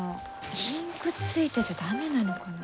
インクついてちゃ駄目なのかな？